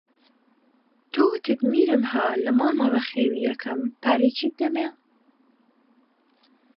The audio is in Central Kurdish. تۆ، وتت: میرم ها لە ماڵما بەخێوی ئەکەم پارەی چی بدەمێ؟